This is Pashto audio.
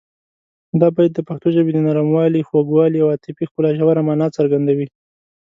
دا بیت د پښتو ژبې د نرموالي، خوږوالي او عاطفي ښکلا ژوره مانا څرګندوي.